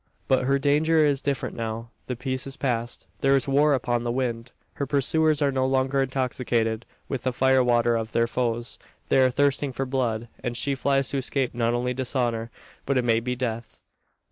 But her danger is different now. The peace is past. There is war upon the wind. Her pursuers are no longer intoxicated with the fire water of their foes. They are thirsting for blood; and she flies to escape not only dishonour, but it may be death!